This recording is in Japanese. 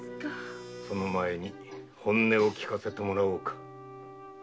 その前に本音を聞かせてもらおうか。